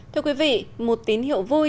thưa quý vị một tín hiệu vui